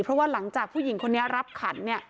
เพราะว่าหลังจากผู้หญิงคนนี้รับขันเนี่ย